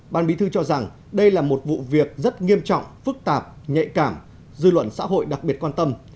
ban bí thư cho rằng đây là một vụ việc rất nghiêm trọng phức tạp nhạy cảm dư luận xã hội đặc biệt quan tâm